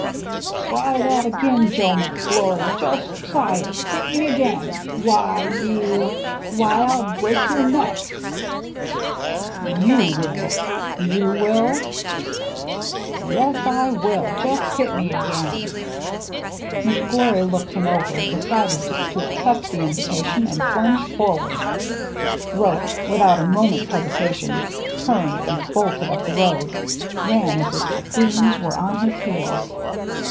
" Try that again, Joe McGlory ! Just try it ! Hit me again! Why, you — why, I'll break your neck !" "r^« will?" " Yes, I will. Just hit me again !" McGlory looked him over, decided to accept the invitation, and plunged forward. Roche, without a moment's hesitation, turned and bolted up the road, — ran as if the fiends were on his heels.